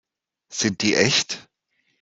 Sind die echt?